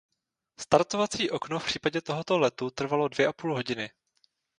Startovací okno v případě tohoto letu trvalo dvě a půl hodiny.